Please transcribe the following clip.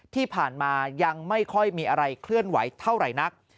ที่ผ่านมายังไม่ค่อยมีอะไรเคลื่อนไหวเท่าไหร่นัก